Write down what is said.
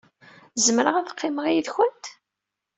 Zemreɣ ad qqimeɣ yid-went?